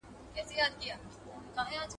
فصلت سورت په{حم} شروع سوی دی.